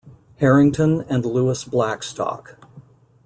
Harrington, and Louis Blackstock.